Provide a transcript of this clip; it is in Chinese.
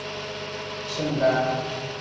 圣丹尼门是布隆代尔最有影响力建筑。